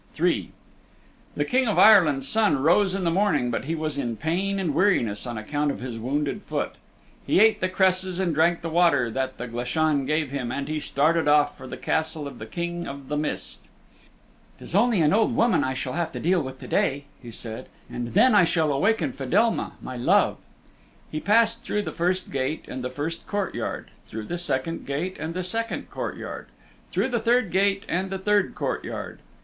III The King of Ireland's Son rose in the morning but he was in pain and weariness on account of his wounded foot. He ate the cresses and drank the water that the Glashan gave him, and he started off for the Castle of the King of the Mist. "'Tis only an old woman I shall have to deal with to day," he said, "and then I shall awaken Fedelma, my love." He passed through the first gate and the first court yard, through the second gate and the second court yard, through the third gate and the third courtyard.